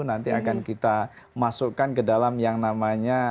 nanti akan kita masukkan ke dalam yang namanya